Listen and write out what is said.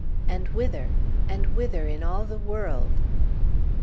And whither? And whither, in all the world?